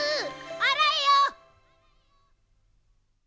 あらえよ！